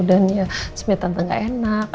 dan ya sebenarnya tante gak enak